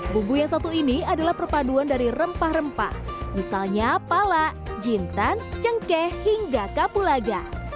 bumbu yang satu ini adalah perpaduan dari rempah rempah misalnya pala jintan cengkeh hingga kapulaga